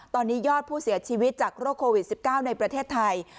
ตอนนี้ยอดผู้เสียชีวิตจากโรคโควิด๑๙ในประเทศไทย